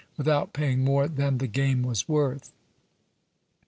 without paying more than the game was worth.